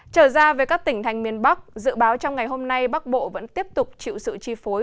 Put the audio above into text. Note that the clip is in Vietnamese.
trở ra về các tỉnh thành miền bắc dự báo trong ngày hôm nay bắc bộ vẫn tiếp tục chịu sự chi phối